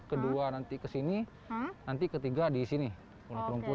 kedua nanti kesini nanti ketiga disini pulau kerumputan